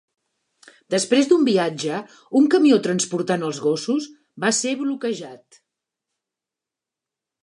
Després d'un viatge, un camió transportant els gossos va ser bloquejat.